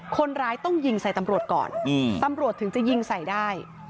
คนร้ายต้องยิงใส่ตำรวจก่อนตำรวจถึงจะยิงใส่ได้